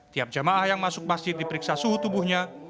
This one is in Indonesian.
tiap jemaah yang masuk masjid diperiksa suhu tubuhnya